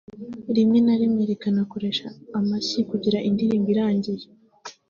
Rimwe na rimwe rikanakoresha amashyi kugera indirimbo irangiye